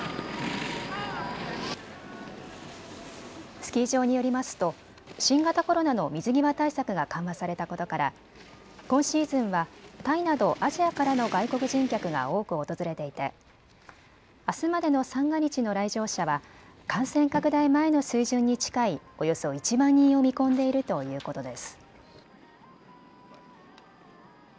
スキー場によりますと新型コロナの水際対策が緩和されたことから今シーズンはタイなどアジアからの外国人客が多く訪れていてあすまでの三が日の来場者は感染拡大前の水準に近いおよそ１万人を見込んでいるということです。